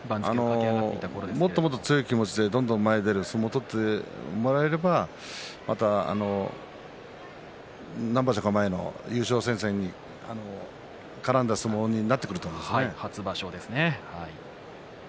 もっともっと強い気持ちで前に出る相撲を取ってもらえれば、また何場所か前の優勝戦線に絡んだ相撲に初場所ですね。